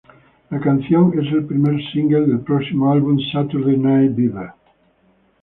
La canción es el primer single del próximo álbum "Saturday Night Beaver".